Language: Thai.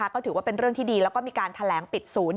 ก็ถือว่าเป็นเรื่องที่ดีแล้วก็มีการแถลงปิดศูนย์